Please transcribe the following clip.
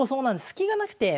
隙がなくて。